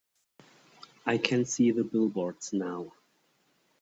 I can see the billboards now.